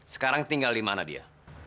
sekarang tinggal dimana dia